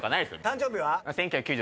誕生日は？